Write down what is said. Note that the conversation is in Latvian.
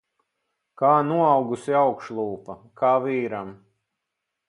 Kā noaugusi augšlūpa. Kā vīram.